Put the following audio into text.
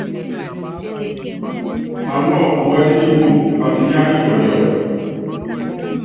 Aŋɔ́ muɛ́t nipúum atinyá nikɔndiɔ.